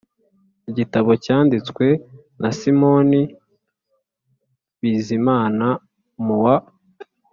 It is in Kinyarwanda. igitabo cyanditswe na simon bizimana mu wa